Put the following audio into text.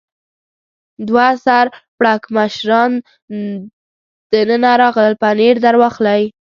دوه سر پړکمشران دننه راغلل، پنیر در واخلئ.